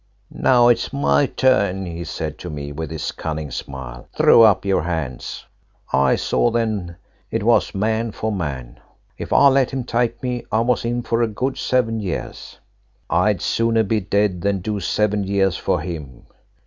"'Now it's my turn,' he said to me with his cunning smile. Throw up your hands.' "I saw then it was man for man. If I let him take me I was in for a good seven years. I'd sooner be dead than do seven years for him.